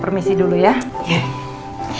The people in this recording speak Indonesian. terima kasih dok aku sayang